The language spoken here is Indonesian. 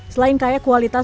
selain kaya kualitasnya